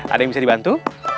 ada yang bisa dibantu